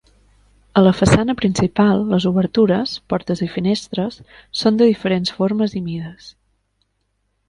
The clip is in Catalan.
A la façana principal, les obertures -portes i finestres- són de diferents formes i mides.